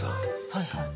はいはい。